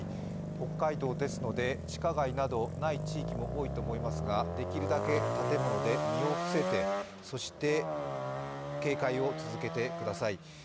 北海道ですので地下街などない地域も多いと思いますができるだけ建物で身を伏せて、そして警戒を続けてください。